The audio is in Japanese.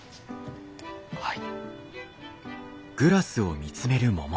はい。